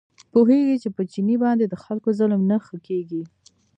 پوهېږي چې په چیني باندې د خلکو ظلم نه ښه کېږي.